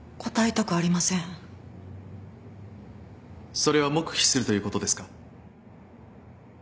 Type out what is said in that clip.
それは黙秘するということですか。